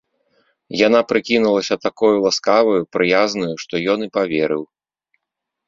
Яна прыкінулася такою ласкаваю, прыязнаю, што ён і паверыў.